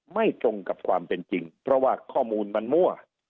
ไม่ตรงกับความเป็นจริงเพราะว่าข้อมูลมันมั่ว